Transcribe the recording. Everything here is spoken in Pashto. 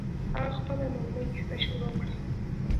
هغه خپله لومړۍ کیسه شروع کړه.